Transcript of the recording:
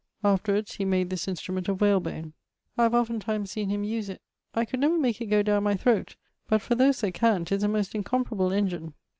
Afterwards he made this instrument of whale bone. I have oftentimes seen him use it. I could never make it goe downe my throat, but for those that can 'tis a most incomparable engine.